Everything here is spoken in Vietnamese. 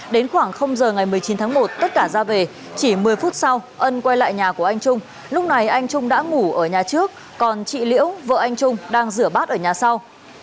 đến khoảng giờ ngày một mươi chín tháng một tất cả ra về chỉ một mươi phút sau ân quay lại nhà của anh trung lúc này anh trung đã ngủ ở nhà trước còn chị liễu vợ anh trung đang rửa bát ở nhà sau